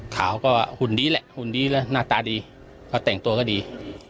ขาวก็หุ่นดีแหละหุ่นดีแล้วหน้าตาดีเขาแต่งตัวก็ดี